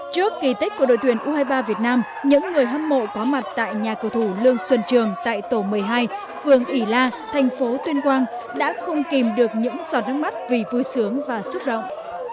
trước kỳ tích của đội tuyển u hai mươi ba việt nam những người hâm mộ có mặt tại nhà cầu thủ lương xuân trường tại tổ một mươi hai phường ỉ la thành phố tuyên quang đã không kìm được những giọt nước mắt vì vui sướng và xúc động